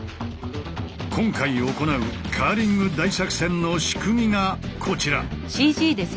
今回行うカーリング大作戦の仕組みがこちら。